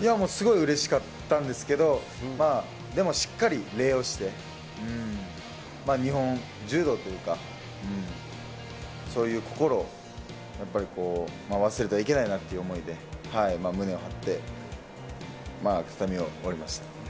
いや、もうすごいうれしかったんですけど、でもしっかり礼をして、日本柔道というか、そういう心をやっぱり忘れてはいけないなという思いで、胸を張って、畳を降りました。